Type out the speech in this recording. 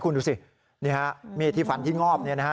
คุณดูสินี่ฮะมีดที่ฟันที่งอบ